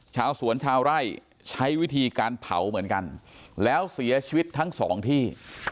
ชาวสวนชาวไร่ใช้วิธีการเผาเหมือนกันแล้วเสียชีวิตทั้งสองที่